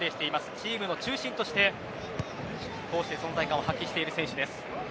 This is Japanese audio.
チームの中心としてこうして存在感を発揮している選手です。